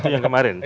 itu yang kemarin ya